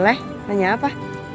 boleh nanya apa